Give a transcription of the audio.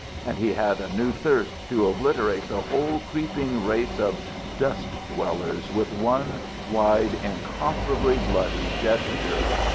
And he had a new thirst to obliterate the whole creeping race of dust dwellers with one wide, incomparably bloody gesture.